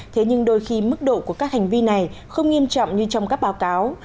thế nhưng đôi khi mức độ của các hành vi này không nghiêm trọng như trong các báo cáo